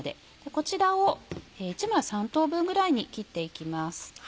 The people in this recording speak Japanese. こちらを１枚３等分ぐらいに切っていきます。